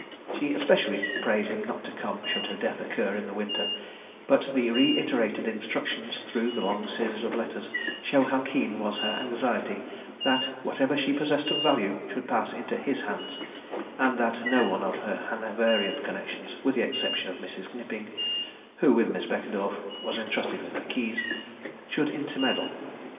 She especially prayed him not to come should her death occur in the winter; but the reiterated instructions through the long series of letters show how keen was her anxiety that whatever she possessed of value should pass into his hands, and that no one of her Hanoverian connections, with the exception of Mrs. Knipping [who, with Miss Beckedorff, was entrusted with her keys], should intermeddle.